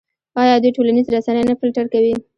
آیا دوی ټولنیزې رسنۍ نه فلټر کوي؟